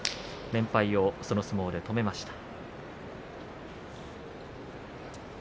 連敗を、その相撲で止めました。